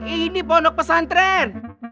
ini pondok pesantren